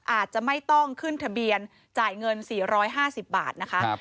อาจจะไม่ต้องขึ้นทะเบียนจ่ายเงิน๔๕๐บาทนะคะ